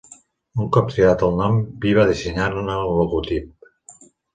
Un cop triat el nom, Pi va dissenyar-ne el logotip.